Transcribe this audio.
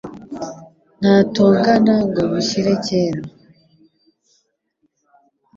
Ntatongana ngo bishyire kera